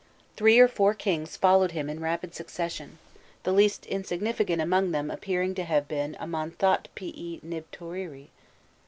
2. Three or four kings followed him in rapid succession; the least insignificant among them appearing to have been a Monthotpii Nibtouiri.